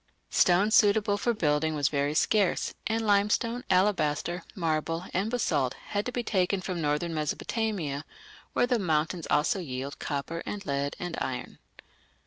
Stone, suitable for building, was very scarce, and limestone, alabaster, marble, and basalt had to be taken from northern Mesopotamia, where the mountains also yield copper and lead and iron.